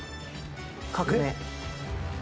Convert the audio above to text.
革命！